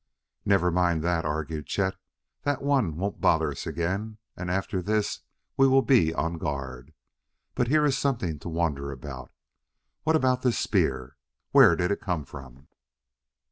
"Never mind that," argued Chet; "that one won't bother us again, and after this we will be on guard. But here is something to wonder about. What about this spear? Where did it come from?"